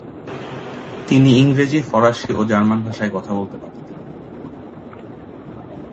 তিনি ইংরেজি, ফরাসি ও জার্মান ভাষায় কথা বলতে পারতেন।